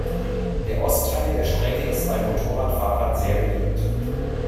Der Ostteil der Strecke ist bei Motorradfahrern sehr beliebt.